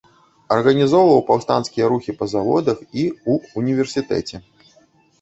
Арганізоўваў паўстанцкія рухі па заводах і ў універсітэце.